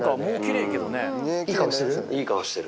いい顔してる？